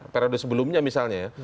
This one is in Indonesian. periode sebelumnya misalnya